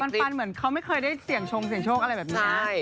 มันปันเหมือนเขาไม่เคยได้เสี่ยงชงเสียงโชคอะไรแบบนี้